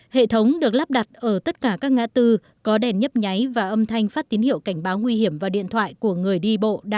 hệ thống được lắp đặt ở tất cả các ngã tư có đèn nhấp nháy và âm thanh phát tín hiệu cảnh báo nguy hiểm vào điện thoại của người đi bộ